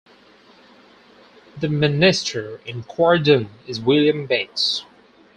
The minister in Quarndon is William Bates.